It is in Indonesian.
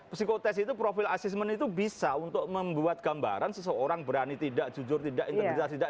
psikotest itu profil asismen itu bisa untuk membuat gambaran seseorang berani tidak jujur tidak integritas tidak